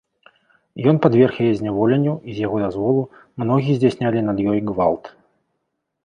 Ён падверг яе зняволенню, і з яго дазволу многія здзяйснялі над ёй гвалт.